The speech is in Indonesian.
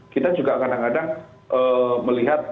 kita juga kadang kadang melihat